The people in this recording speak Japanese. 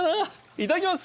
いただきます！